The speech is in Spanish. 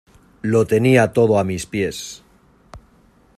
Lo tenía todo a mis pies